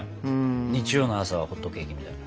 日曜の朝はホットケーキみたいな。